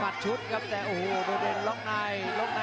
ประโยชน์ทอตอร์จานแสนชัยกับยานิลลาลีนี่ครับ